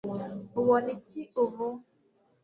ubona iki ubu